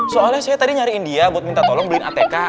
soalnya saya tadi nyari india buat minta tolong beliin atk